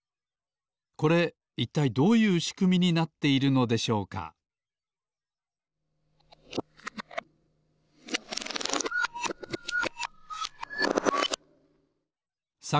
これいったいどういうしくみになっているのでしょうかさ